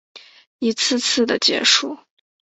一次次的结束